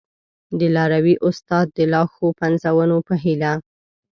د لاروي استاد د لا ښو پنځونو په هیله!